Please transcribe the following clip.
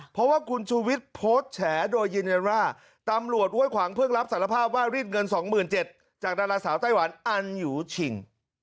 เพราะว่าคุณชูวิทย์โพสต์แฉโดยยืนยันว่าตำรวจห้วยขวางเพิ่งรับสารภาพว่ารีดเงิน๒๗๐๐จากดาราสาวไต้หวันอันอยู่ชิง